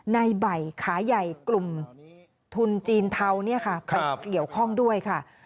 ในใบขาใหญ่กลุ่มทุนจีนเทาไปเกี่ยวข้องด้วยค่ะ